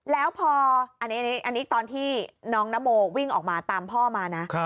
แล้วพออันนี้ตอนที่น้องนโมวิ่งออกมาตามพ่อมานะ